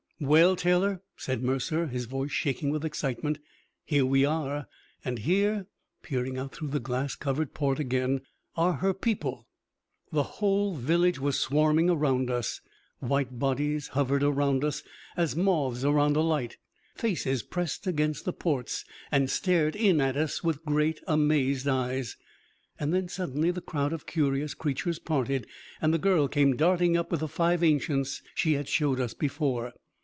"Well, Taylor," said Mercer, his voice shaking with excitement, "here we are! And here" peering out through the glass covered port again "are her people!" The whole village was swarming around us. White bodies hovered around us as moths around a light. Faces pressed against the ports and stared in at us with great, amazed eyes. Then, suddenly the crowd of curious creatures parted, and the girl came darting up with the five ancients she had showed us before.